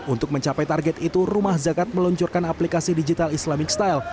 untuk mencapai target itu rumah zakat meluncurkan aplikasi digital islamic style